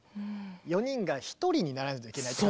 ４人が１人にならないといけないって感じですね。